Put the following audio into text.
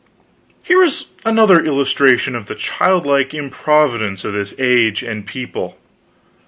Here was another illustration of the childlike improvidence of this age and people.